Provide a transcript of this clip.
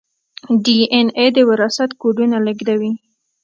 ډي این اې د وراثت کوډونه لیږدوي